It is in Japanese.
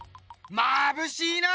まぶしいな！